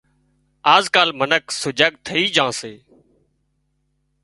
آز ڪال منک سجاگ ٿئي جھان سي